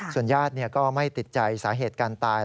ส่วนญาติก็ไม่ติดใจสาเหตุการตาย